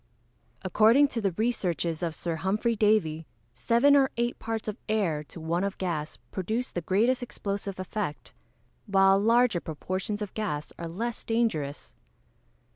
_ According to the researches of Sir Humphrey Davy, seven or eight parts of air, to one of gas, produce the greatest explosive effect; while larger proportions of gas are less dangerous.